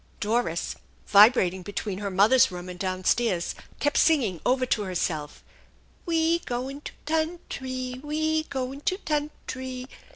Doris, vibrating between her mother's room and down stairs, kept singing over to herself :" We goin' to tun try ! We going* to tuntry!